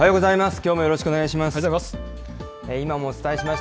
きょうもよろしくお願いします。